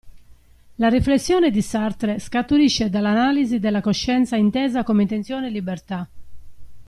La riflessione di Sartre scaturisce dall'analisi della coscienza intesa come intenzione e libertà.